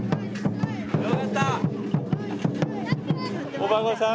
お孫さん？